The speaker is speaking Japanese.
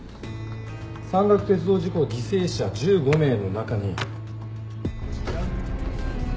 山岳鉄道事故犠牲者１５名の中に。